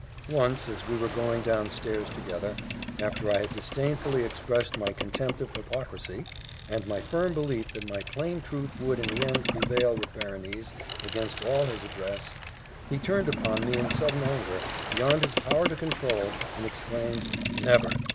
Once, as we were going down stairs together, after I had disdainfully expressed my contempt of hypocrisy, and my firm belief that my plain truth would in the end prevail with Berenice against all his address, he turned upon me in sudden anger, beyond his power to control, and exclaimed, "Never!